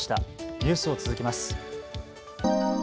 ニュースを続けます。